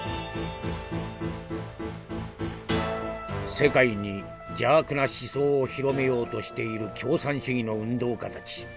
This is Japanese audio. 「世界に邪悪な思想を広めようとしている共産主義の運動家たち。